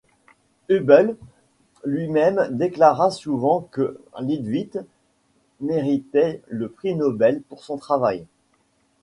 Hubble lui-même déclara souvent que Leavitt méritait le prix Nobel pour son travail.